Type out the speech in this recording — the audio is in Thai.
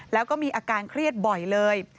แล้วก็มีอาการเครียดบ่อยเลย